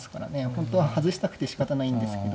本当は外したくてしかたないんですけど。